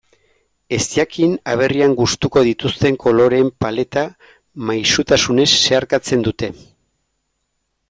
Ezjakin aberrian gustuko dituzten koloreen paleta maisutasunez zeharkatzen dute.